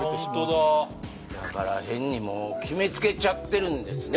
ホントだだから変にもう決めつけちゃってるんですね